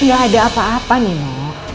gak ada apa apa nino